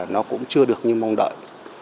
nó cũng chưa được như mong đợi